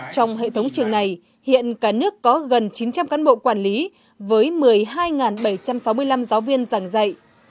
trong hệ thống trường này hiện cả nước có gần chín trăm linh cán bộ quản lý với một mươi hai bảy trăm sáu mươi năm giáo viên giảng dạy